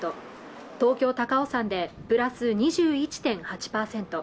東京高尾山でプラス２１．８％